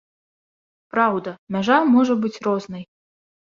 Праўда, мяжа можа быць рознай.